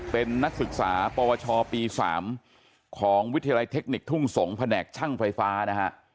เป็นนักศึกษาปวชปี๓ของวิทยาลัยเทคนิคทุ่งสงศ์แผนกช่างไฟฟ้านะฮะ